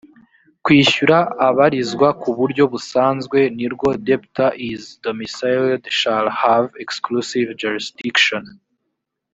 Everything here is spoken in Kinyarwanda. kwishyura abarizwa ku buryo busanzwe ni rwo debtor is domiciled shall have exclusive jurisdiction